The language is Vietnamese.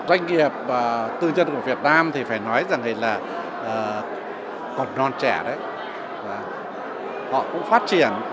doanh nghiệp tư nhân của việt nam thì phải nói rằng là còn non trẻ đấy và họ cũng phát triển